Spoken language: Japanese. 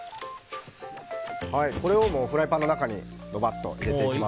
これをフライパンの中にドバッと入れていきます。